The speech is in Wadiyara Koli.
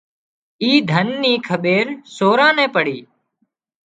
اي ڌن نِي کٻيرسوران نين پڙي